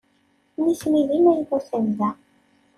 Nitni d imaynuten da.